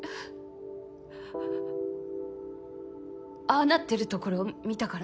ああなってるところを見たから。